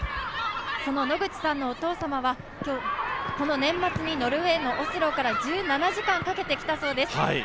この野口さんのお父様はこの年末にノルウェーのオスロから１７時間かけて来たそうです。